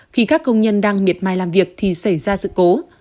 khi các công nhân đang miệt mài làm việc thì xảy ra sự cố